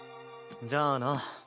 じゃあな。